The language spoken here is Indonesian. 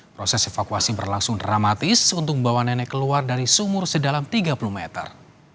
proses evakuasi berlangsung dramatis untuk membawa nenek keluar dari sumur sedalam tiga puluh meter